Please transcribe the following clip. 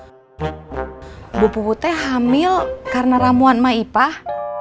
ibu pute hamil karena ramuan maipah